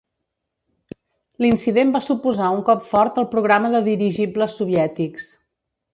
L'incident va suposar un cop fort al programa de dirigibles soviètics.